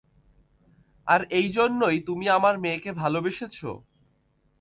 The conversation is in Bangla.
আর এই জন্যই তুমি আমার মেয়েকে ভালোবেসেছ?